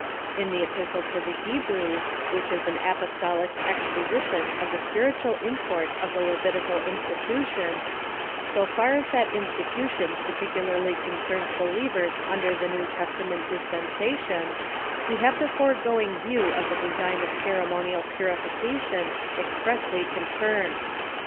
In the Epistle to the Hebrews, which is an apostolic exposition of the spirit lal import of the 98 PHILOSOPHY OP THE Levitical institntiorij so far as that institution particu larly concerns believers under the New Testament dispensation, we have the foregoing view of the design of ceremonial purification expressly con firmed.